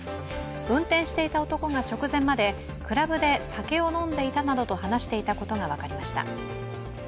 運転していた男が直前までクラブで酒を飲んでいたなどと話していることが分かりました。